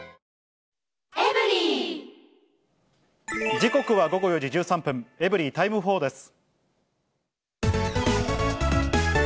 時刻は午後４時１３分、エブリィタイム４です。